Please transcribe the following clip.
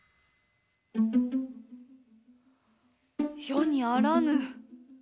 世に在らぬ。